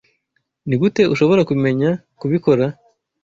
Nigute ushobora kumenya kubikora?